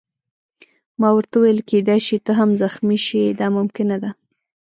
ما ورته وویل: کېدای شي ته هم زخمي شې، دا ممکنه ده.